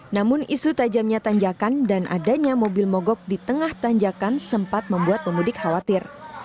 namun isu tajamnya tanjakan dan adanya mobil mogok di tengah tanjakan sempat membuat pemudik khawatir